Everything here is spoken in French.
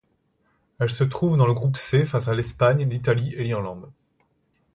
Elle se trouve dans le groupe C face à l’Espagne, l’Italie et l’Irlande.